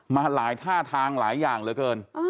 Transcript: มาหลายท่าทางหลายอย่างเหลือเกิน